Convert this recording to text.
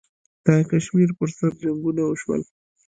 د کشمیر پر سر جنګونه وشول.